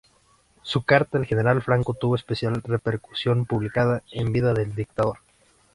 Su "Carta al General Franco" tuvo especial repercusión, publicada en vida del dictador.